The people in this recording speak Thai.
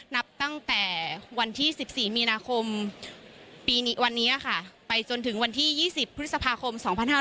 นับตั้งแต่วันที่๑๔มีนาคมไปจนถึงวันที่๒๐พฤษภาคม๒๕๖๕